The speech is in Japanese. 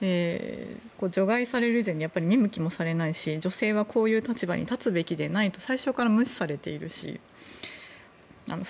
除外されるし見向きもされないし女性はこういう立場に立つべきでないと最初から無視されているし。